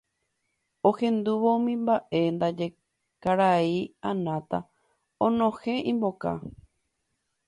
Ohendúvo umi mba'e ndaje karai Anata onohẽ imboka